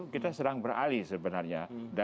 kita sedang beralih sebenarnya